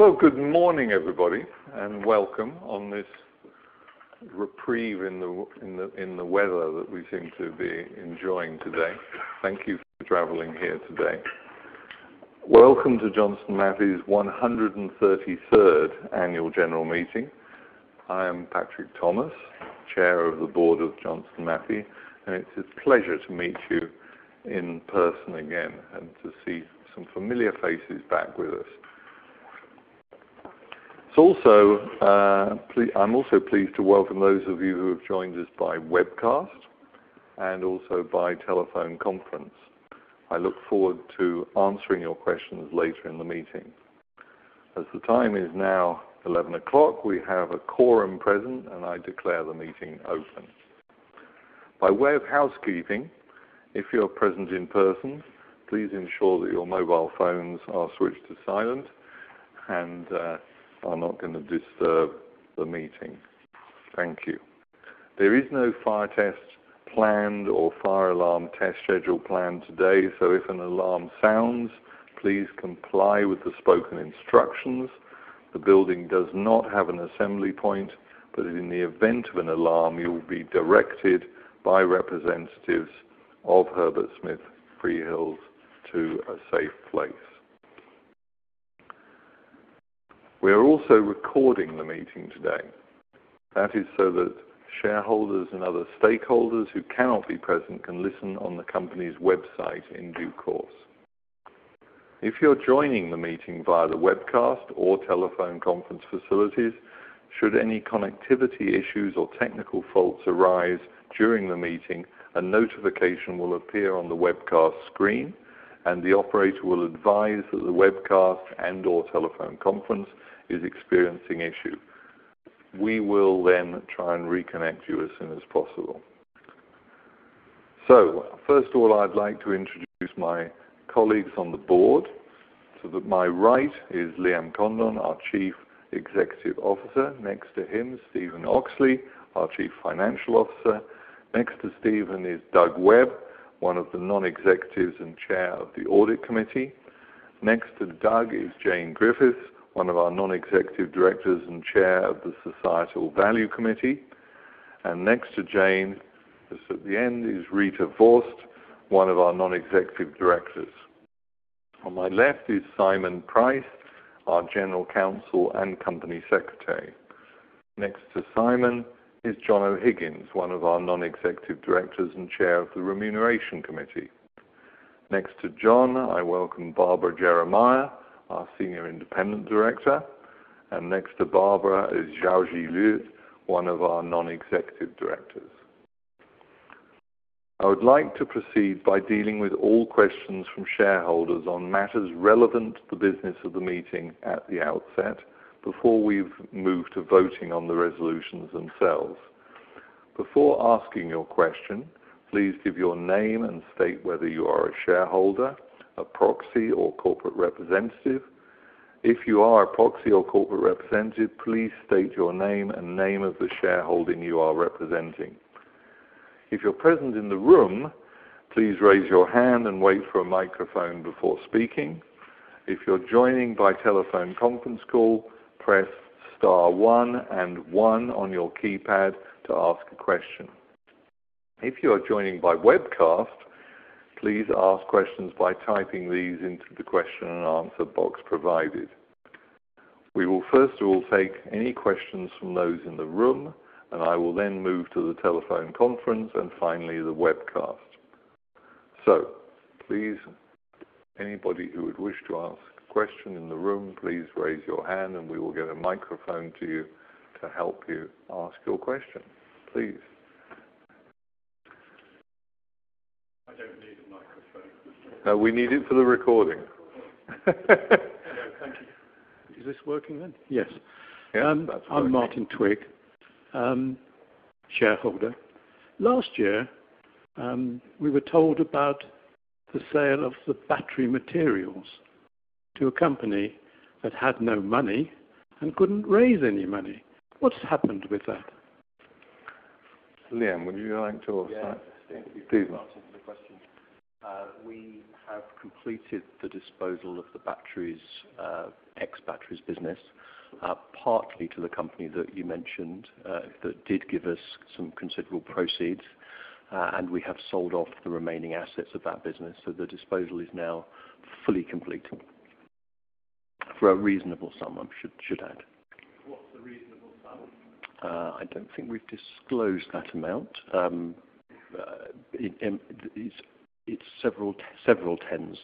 So good morning, everybody, and welcome on this reprieve in the weather that we seem to be enjoying today. Thank you for traveling here today. Welcome to Johnson Matthey's 133rd Annual General Meeting. I am Patrick Thomas, Chair of the Board of Johnson Matthey, and it's a pleasure to meet you in person again and to see some familiar faces back with us. So also, I'm also pleased to welcome those of you who have joined us by webcast and also by telephone conference. I look forward to answering your questions later in the meeting. As the time is now 11:00 A.M., we have a quorum present, and I declare the meeting open. By way of housekeeping, if you're present in person, please ensure that your mobile phones are switched to silent and are not gonna disturb the meeting. Thank you. There is no fire test planned or fire alarm test schedule planned today, so if an alarm sounds, please comply with the spoken instructions. The building does not have an assembly point, but in the event of an alarm, you'll be directed by representatives of Herbert Smith Freehills to a safe place. We are also recording the meeting today. That is so that shareholders and other stakeholders who cannot be present can listen on the company's website in due course. If you're joining the meeting via the webcast or telephone conference facilities, should any connectivity issues or technical faults arise during the meeting, a notification will appear on the webcast screen, and the operator will advise that the webcast and/or telephone conference is experiencing issue. We will then try and reconnect you as soon as possible. So, first of all, I'd like to introduce my colleagues on the board. To my right is Liam Condon, our Chief Executive Officer. Next to him, Stephen Oxley, our Chief Financial Officer. Next to Stephen is Doug Webb, one of the non-executives and Chair of the Audit Committee. Next to Doug is Jane Griffiths, one of our non-executive directors and Chair of the Societal Value Committee. And next to Jane, just at the end, is Rita Forst, one of our non-executive directors. On my left is Simon Price, our General Counsel and Company Secretary. Next to Simon is John O'Higgins, one of our non-executive directors and Chair of the Remuneration Committee. Next to John, I welcome Barbara Jeremiah, our Senior Independent Director. And next to Barbara is Xiaozhi Liu, one of our non-executive directors. I would like to proceed by dealing with all questions from shareholders on matters relevant to the business of the meeting at the outset, before we've moved to voting on the resolutions themselves. Before asking your question, please give your name and state whether you are a shareholder, a proxy, or corporate representative. If you are a proxy or corporate representative, please state your name and name of the shareholding you are representing. If you're present in the room, please raise your hand and wait for a microphone before speaking. If you're joining by telephone conference call, press star one and one on your keypad to ask a question. If you are joining by webcast, please ask questions by typing these into the question and answer box provided. We will first of all take any questions from those in the room, and I will then move to the telephone conference, and finally, the webcast. So please, anybody who would wish to ask a question in the room, please raise your hand, and we will get a microphone to you to help you ask your question. Please. I don't need a microphone. We need it for the recording. Thank you. Is this working then? Yes. Yeah, that's working. I'm Martin Twigg, shareholder. Last year, we were told about the sale of the battery materials to a company that had no money and couldn't raise any money. What's happened with that? Liam, would you like to answer that? Yeah. Please. Thank you for the question. We have completed the disposal of the batteries, ex-batteries business, partly to the company that you mentioned, that did give us some considerable proceeds, and we have sold off the remaining assets of that business, so the disposal is now fully complete. For a reasonable sum, I should, should add. What's the reasonable sum? I don't think we've disclosed that amount. It's several tens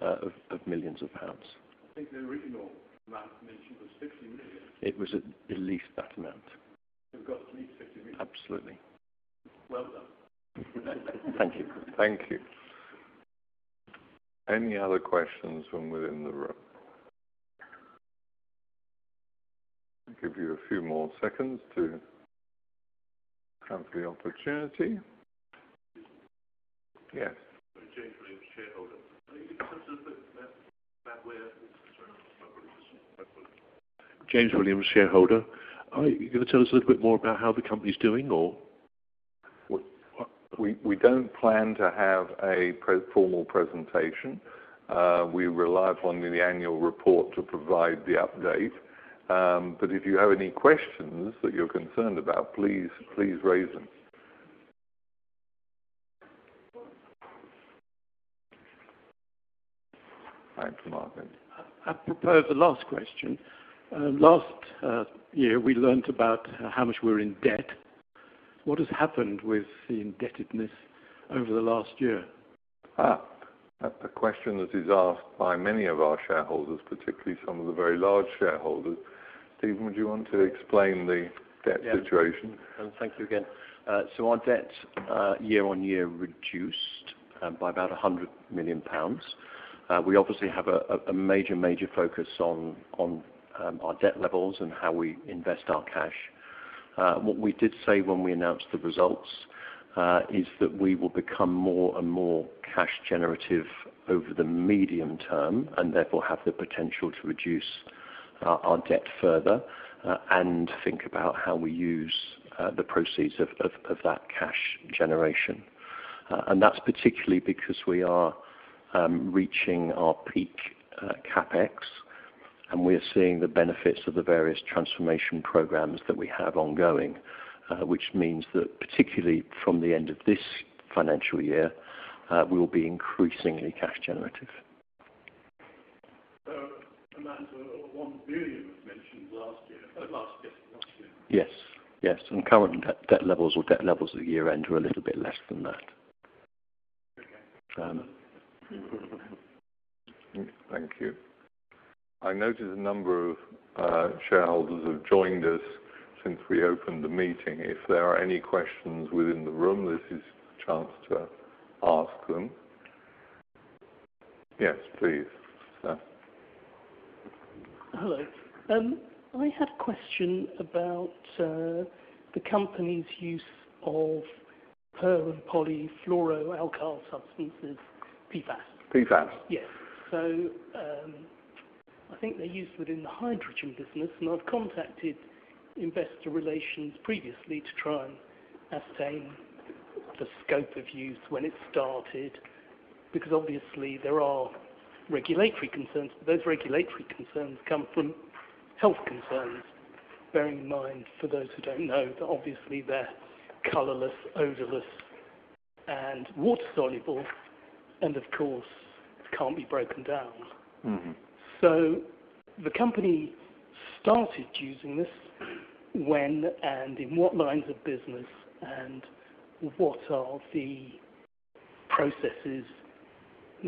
of millions of GBP. I think the original amount mentioned was 60 million. It was at least that amount. You've got at least 60 million? Absolutely. Well done. Thank you. Thank you. Any other questions from within the room? I'll give you a few more seconds to have the opportunity. Yes. James Williams, shareholder. Sorry about that. James Williams, shareholder. Are you gonna tell us a little bit more about how the company's doing or?... We don't plan to have a pre-formal presentation. We rely upon the annual report to provide the update. But if you have any questions that you're concerned about, please, please raise them. Time for market. I propose the last question. Last year, we learned about how much we're in debt. What has happened with the indebtedness over the last year? Ah! That's a question that is asked by many of our shareholders, particularly some of the very large shareholders. Stephen, would you want to explain the debt situation? Yeah. Thank you again. So our debt year-on-year reduced by about 100 million pounds. We obviously have a major, major focus on our debt levels and how we invest our cash. What we did say when we announced the results is that we will become more and more cash generative over the medium term, and therefore, have the potential to reduce our debt further, and think about how we use the proceeds of that cash generation. And that's particularly because we are reaching our peak CapEx, and we're seeing the benefits of the various transformation programs that we have ongoing. Which means that particularly from the end of this financial year, we will be increasingly cash generative. Amount of 1 billion was mentioned last year. Last, yes, last year. Yes, yes. Current debt levels at year-end were a little bit less than that. Okay. Um. Thank you. I noticed a number of shareholders have joined us since we opened the meeting. If there are any questions within the room, this is a chance to ask them. Yes, please, sir. Hello. I had a question about the company's use of per- and polyfluoroalkyl substances, PFAS. PFAS? Yes. So, I think they're used within the hydrogen business, and I've contacted investor relations previously to try and ascertain the scope of use when it started, because obviously there are regulatory concerns. Those regulatory concerns come from health concerns. Bearing in mind, for those who don't know, that obviously they're colorless, odorless, and water-soluble, and of course, can't be broken down. Mm-hmm. The company started using this when, and in what lines of business, and what are the processes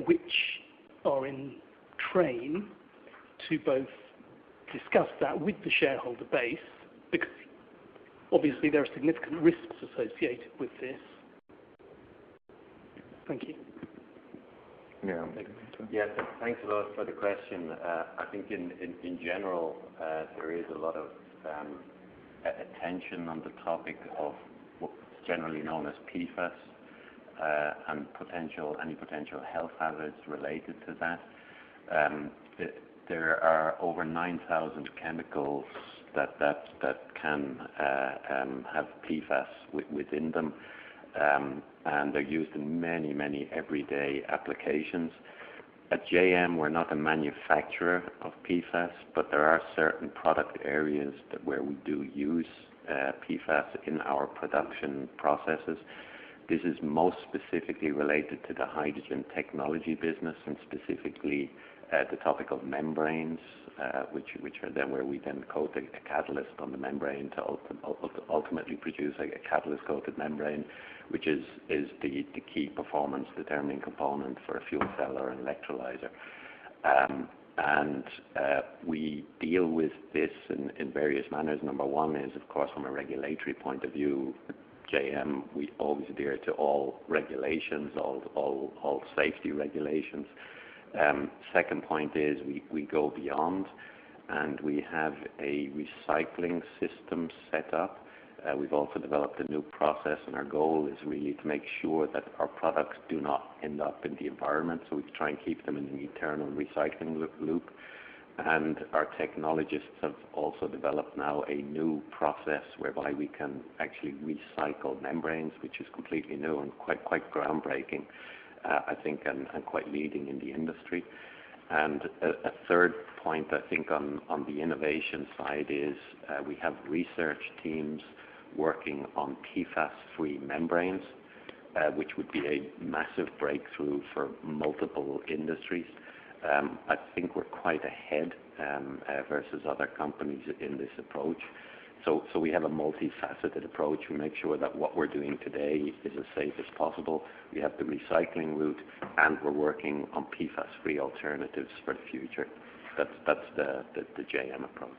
which are in train to both discuss that with the shareholder base? Because obviously there are significant risks associated with this. Thank you. Yeah, maybe. Yes, thanks a lot for the question. I think in general, there is a lot of attention on the topic of what's generally known as PFAS, and any potential health hazards related to that. There are over 9,000 chemicals that can have PFAS within them. And they're used in many everyday applications. At JM, we're not a manufacturer of PFAS, but there are certain product areas where we do use PFAS in our production processes. This is most specifically related to the hydrogen technology business, and specifically, the topic of membranes, which are then where we coat a catalyst on the membrane to ultimately produce, like, a catalyst-coated membrane, which is the key performance-determining component for a fuel cell or an electrolyzer. And, we deal with this in various manners. Number one is, of course, from a regulatory point of view, JM, we always adhere to all regulations, all safety regulations. Second point is we go beyond, and we have a recycling system set up. We've also developed a new process, and our goal is really to make sure that our products do not end up in the environment, so we try and keep them in an eternal recycling loop. And our technologists have also developed now a new process whereby we can actually recycle membranes, which is completely new and quite groundbreaking, I think, and quite leading in the industry. And a third point, I think, on the innovation side is, we have research teams working on PFAS-free membranes, which would be a massive breakthrough for multiple industries. I think we're quite ahead versus other companies in this approach. So we have a multifaceted approach. We make sure that what we're doing today is as safe as possible. We have the recycling route, and we're working on PFAS-free alternatives for the future. That's the JM approach.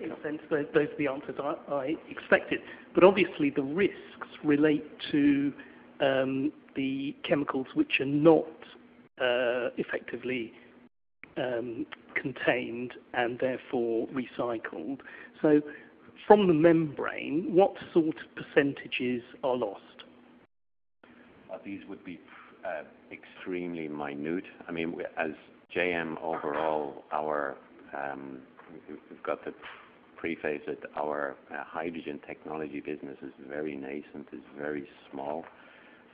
Those are the answers I expected. But obviously, the risks relate to the chemicals which are not effectively contained and therefore recycled. So from the membrane, what sort of percentages are lost?... These would be extremely minute. I mean, we as JM, overall, we've got to preface it. Our hydrogen technology business is very nascent, is very small.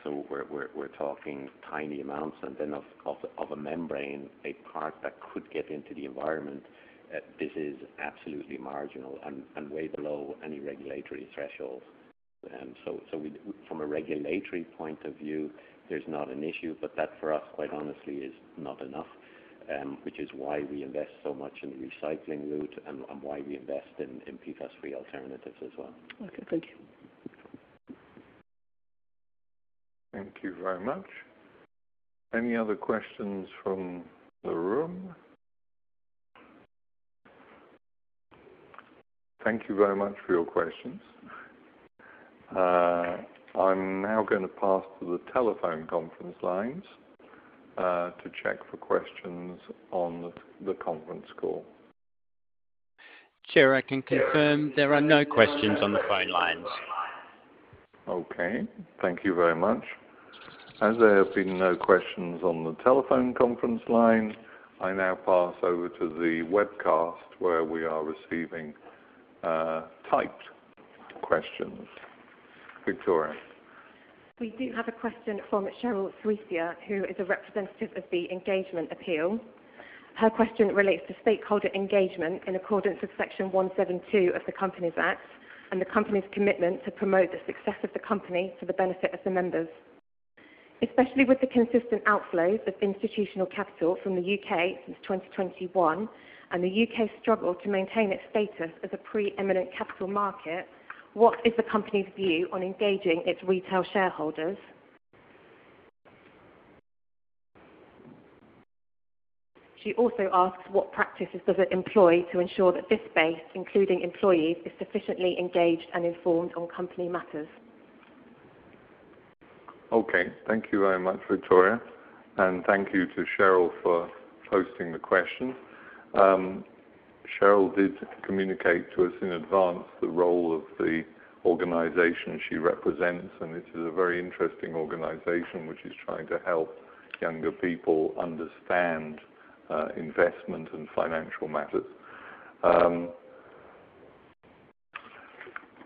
So we're talking tiny amounts. And then of a membrane, a part that could get into the environment, this is absolutely marginal and way below any regulatory threshold. So, from a regulatory point of view, there's not an issue, but that for us, quite honestly, is not enough, which is why we invest so much in the recycling route and why we invest in PFAS-free alternatives as well. Okay, thank you. Thank you very much. Any other questions from the room? Thank you very much for your questions. I'm now gonna pass to the telephone conference lines, to check for questions on the conference call. Sir, I can confirm there are no questions on the phone lines. Okay, thank you very much. As there have been no questions on the telephone conference line, I now pass over to the webcast, where we are receiving typed questions. Victoria? We do have a question from Sheryl Cuisia, who is a representative of The Engagement Appeal. Her question relates to stakeholder engagement in accordance with Section 172 of the Companies Act, and the company's commitment to promote the success of the company for the benefit of the members. Especially with the consistent outflows of institutional capital from the U.K. since 2021, and the U.K.'s struggle to maintain its status as a pre-eminent capital market, what is the company's view on engaging its retail shareholders? She also asks, what practices does it employ to ensure that this space, including employees, is sufficiently engaged and informed on company matters? Okay. Thank you very much, Victoria, and thank you to Sheryl for posting the question. Sheryl did communicate to us in advance the role of the organization she represents, and it is a very interesting organization, which is trying to help younger people understand investment and financial matters.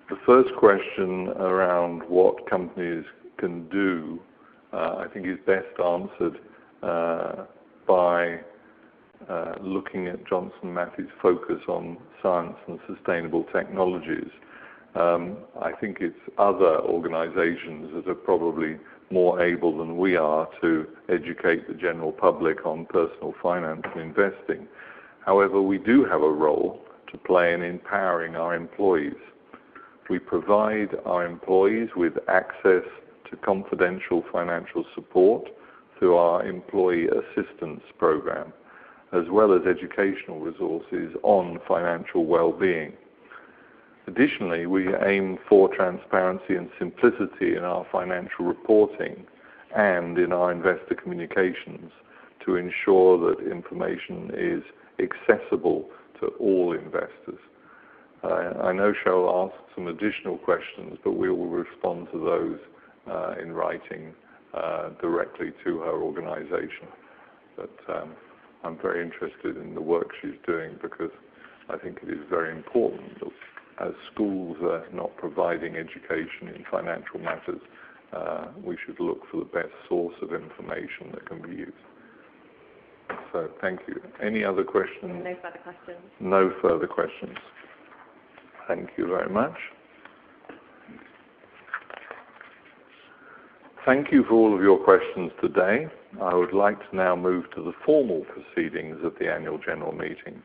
The first question around what companies can do, I think is best answered by looking at Johnson Matthey's focus on science and sustainable technologies. I think it's other organizations that are probably more able than we are to educate the general public on personal finance and investing. However, we do have a role to play in empowering our employees. We provide our employees with access to confidential financial support through our employee assistance program, as well as educational resources on financial well-being. Additionally, we aim for transparency and simplicity in our financial reporting and in our investor communications to ensure that information is accessible to all investors. I know Sheryl asked some additional questions, but we will respond to those in writing directly to her organization. But, I'm very interested in the work she's doing because I think it is very important that as schools are not providing education in financial matters, we should look for the best source of information that can be used. So thank you. Any other questions? No further questions. No further questions. Thank you very much. Thank you for all of your questions today. I would like to now move to the formal proceedings of the Annual General Meeting.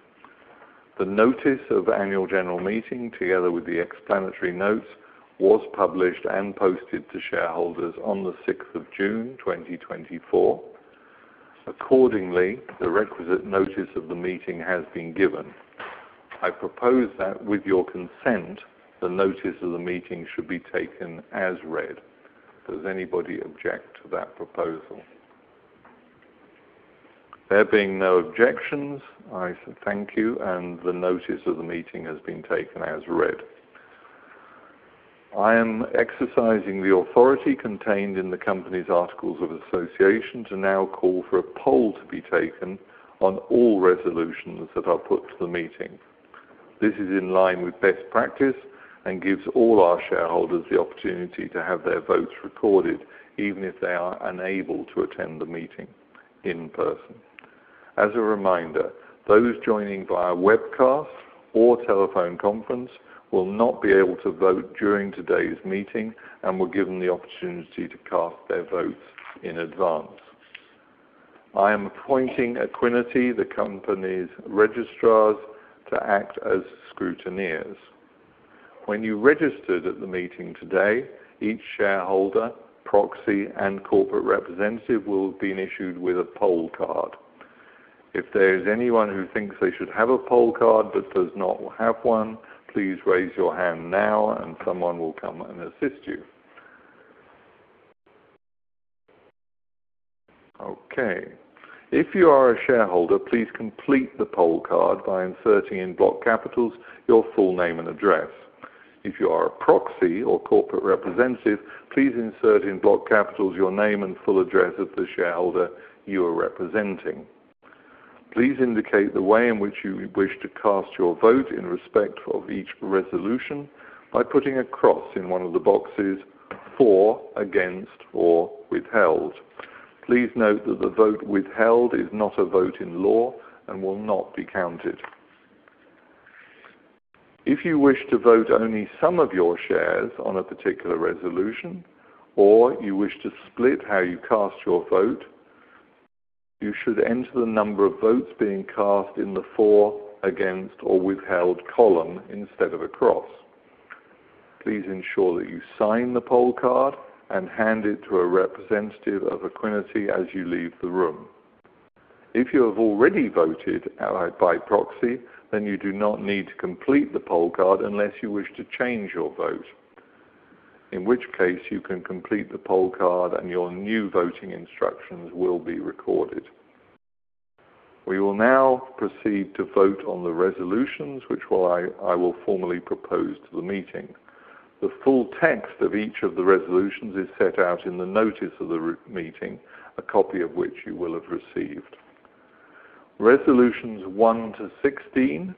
The notice of Annual General Meeting, together with the explanatory notes, was published and posted to shareholders on the sixth of June, 2024. Accordingly, the requisite notice of the meeting has been given. I propose that, with your consent, the notice of the meeting should be taken as read. Does anybody object to that proposal? There being no objections, I thank you, and the notice of the meeting has been taken as read. I am exercising the authority contained in the company's articles of association to now call for a poll to be taken on all resolutions that are put to the meeting. This is in line with best practice and gives all our shareholders the opportunity to have their votes recorded, even if they are unable to attend the meeting in person. As a reminder, those joining via webcast or telephone conference will not be able to vote during today's meeting and were given the opportunity to cast their votes in advance. I am appointing Equiniti, the company's registrars, to act as scrutineers. When you registered at the meeting today, each shareholder, proxy, and corporate representative will have been issued with a poll card. If there is anyone who thinks they should have a poll card but does not have one, please raise your hand now, and someone will come and assist you... Okay. If you are a shareholder, please complete the poll card by inserting in block capitals your full name and address. If you are a proxy or corporate representative, please insert in block capitals your name and full address of the shareholder you are representing. Please indicate the way in which you wish to cast your vote in respect of each resolution by putting a cross in one of the boxes for, against, or withheld. Please note that the vote withheld is not a vote in law and will not be counted. If you wish to vote only some of your shares on a particular resolution, or you wish to split how you cast your vote, you should enter the number of votes being cast in the for, against, or withheld column instead of a cross. Please ensure that you sign the poll card and hand it to a representative of Equiniti as you leave the room. If you have already voted out by proxy, then you do not need to complete the poll card unless you wish to change your vote, in which case you can complete the poll card and your new voting instructions will be recorded. We will now proceed to vote on the resolutions, which I will formally propose to the meeting. The full text of each of the resolutions is set out in the notice of the meeting, a copy of which you will have received. Resolutions 1 to 16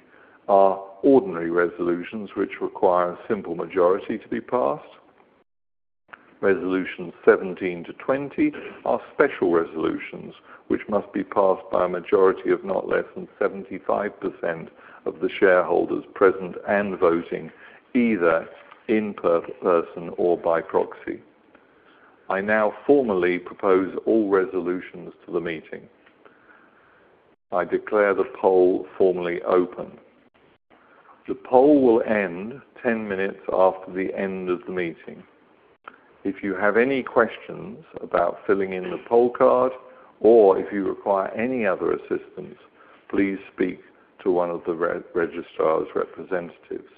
are ordinary resolutions, which require a simple majority to be passed. Resolutions 17 to 20 are special resolutions, which must be passed by a majority of not less than 75% of the shareholders present and voting, either in person or by proxy. I now formally propose all resolutions to the meeting. I declare the poll formally open. The poll will end 10 minutes after the end of the meeting. If you have any questions about filling in the poll card, or if you require any other assistance, please speak to one of the registrar's representatives.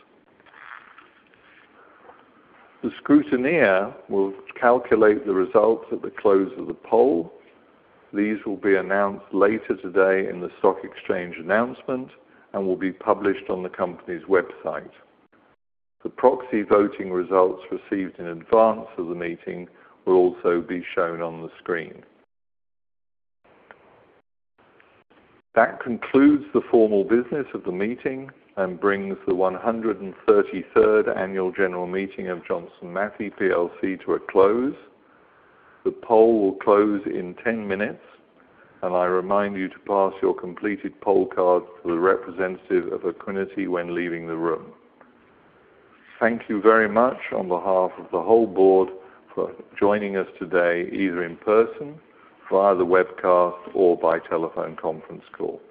The scrutineer will calculate the results at the close of the poll. These will be announced later today in the stock exchange announcement and will be published on the company's website. The proxy voting results received in advance of the meeting will also be shown on the screen. That concludes the formal business of the meeting and brings the 133rd Annual General Meeting of Johnson Matthey plc to a close. The poll will close in 10 minutes, and I remind you to pass your completed poll cards to the representative of Equiniti when leaving the room. Thank you very much on behalf of the whole board, for joining us today, either in person, via the webcast, or by telephone conference call.